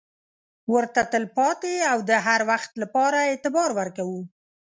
ورته تل پاتې او د هروخت لپاره اعتبار ورکوو.